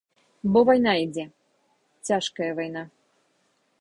Бо вайна ідзе, цяжкая вайна!